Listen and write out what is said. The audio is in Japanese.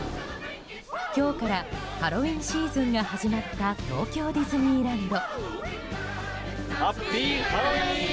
今日からハロウィーンシーズンが始まった東京ディズニーランド。